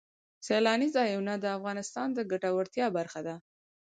سیلانی ځایونه د افغانانو د ګټورتیا برخه ده.